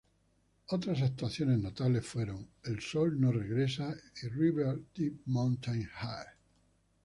Otras actuaciones notables fueron "El sol no regresa" y "River deep mountain high".